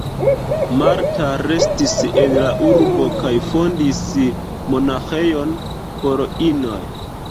Marta restis en la urbo kaj fondis monaĥejon por inoj.